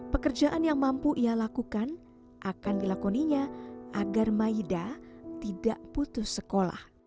pekerjaan yang mampu ia lakukan akan dilakoninya agar maida tidak putus sekolah